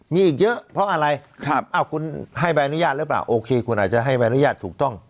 มีอีกเยอะเพราะอะไรคุณให้ใบอนุญาตหรือเปล่าโอเคคุณอาจจะให้ใบอนุญาตถูกต้อง